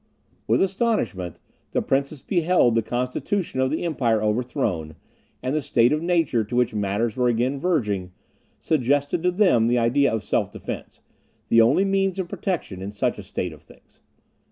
With astonishment, the princes beheld the constitution of the empire overthrown, and the state of nature to which matters were again verging, suggested to them the idea of self defence, the only means of protection in such a state of things.